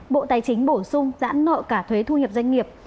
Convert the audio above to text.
bộ tài chính bổ sung giãn nợ cả thuế thu nhập doanh nghiệp